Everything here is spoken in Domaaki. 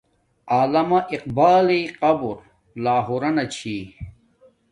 علامہ اقبایݵ قبر لاہوران چھی